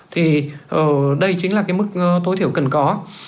thì đây chính là cái mức tối thiểu cần có